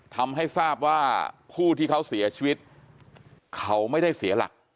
ทำให้ทราบว่าผู้ที่เขาเสียชีวิตเขาไม่ได้เสียหลัก